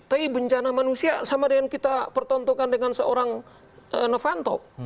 tapi bencana manusia sama dengan kita pertontokan dengan seorang novanto